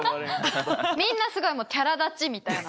みんなすごいキャラ立ちみたいな。